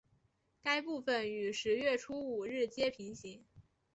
该部份与十月初五日街平行。